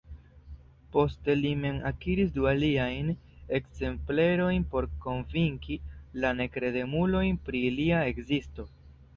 Poste li mem akiris du aliajn ekzemplerojn por konvinki la nekredemulojn pri ilia ekzisto.